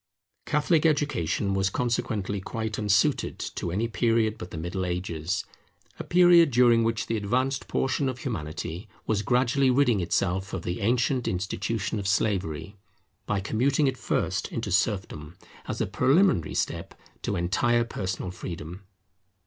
Catholic Education was consequently quite unsuited to any period but the Middle Ages; a period during which the advanced portion of Humanity was gradually ridding itself of the ancient institution of slavery, by commuting it first into serfdom, as a preliminary step to entire personal freedom.